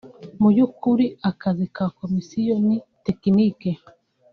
mu y’ukuri akazi ka Komisiyo ni tekinike